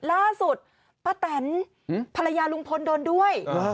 ล่าสุดป้าแตนภรรยาลุงพลโดนด้วย